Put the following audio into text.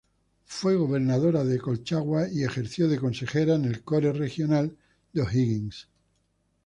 Fue gobernadora de Colchagua y ejerció de consejera en el Core Regional de O'Higgins.